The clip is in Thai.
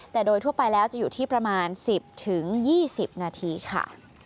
แต่โดยทั่วไปแล้วจะอยู่ที่ประมาณ๑๐๒๐นาทีค่ะ